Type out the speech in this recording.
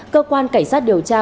cơ quan cảnh sát điều tra